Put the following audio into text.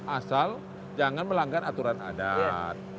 asal jangan melanggar aturan adat